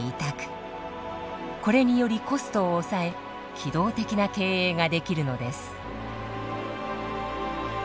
これによりコストを抑え機動的な経営ができるのです。